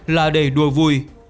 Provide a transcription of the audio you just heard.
là để đùa vui